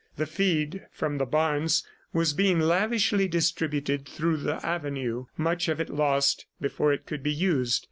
The feed from the barns was being lavishly distributed through the avenue, much of it lost before it could be used.